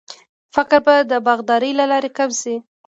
فقر به د باغدارۍ له لارې کم شي.